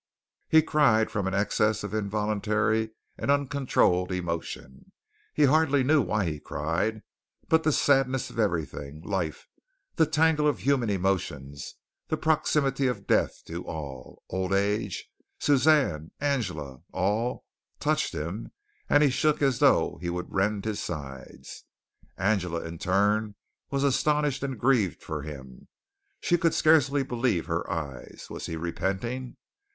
He cried from an excess of involuntary and uncontrolled emotion. He hardly knew why he cried, but the sadness of everything life, the tangle of human emotions, the proximity of death to all, old age, Suzanne, Angela, all touched him, and he shook as though he would rend his sides. Angela, in turn, was astonished and grieved for him. She could scarcely believe her eyes. Was he repenting?